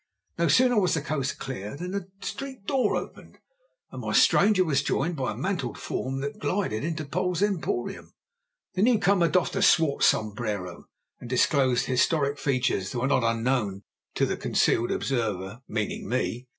No sooner was the coast clear than the street door opened, and my stranger was joined by a mantled form, that glided into Poll's emporium. The new comer doffed a swart sombrero, and disclosed historic features that were not unknown to the concealed observer—meaning me.